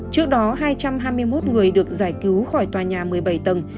trước đó hai trăm hai mươi một người được giải cứu khỏi tòa nhà một mươi bảy tầng